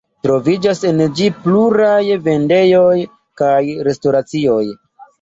Troviĝas en ĝi pluraj vendejoj kaj restoracioj.